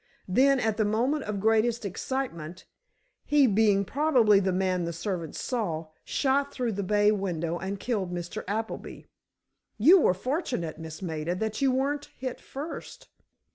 Then, at the moment of greatest excitement, he, being probably the man the servants saw—shot through the bay window and killed Mr. Appleby. You were fortunate, Miss Maida, that you weren't hit first!"